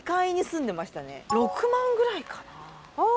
６万ぐらいかな？